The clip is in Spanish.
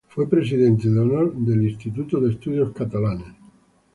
Fue presidente de honor del Instituto de Estudios Catalanes.